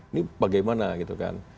ini bagaimana gitu kan